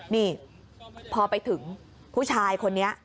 นี่พอไปถึงผู้ชายคนนี้